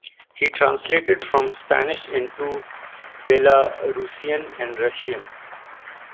He translated from Spanish into Belarusian and Russian.